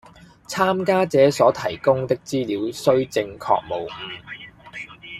參加者所提供的資料須正確無訛